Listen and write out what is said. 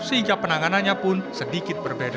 sehingga penanganannya pun sedikit berbeda